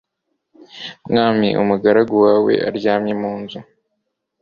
Mwami umugaragu wanjye aryamye mu nzu